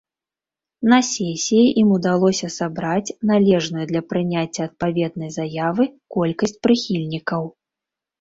На сесіі ім удалося сабраць належную для прыняцця адпаведнай заявы колькасць прыхільнікаў.